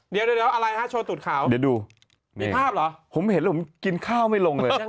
เดี๋ยวดูมีภาพเหรอผมเห็นแล้วผมกินข้าวไม่ลงเลย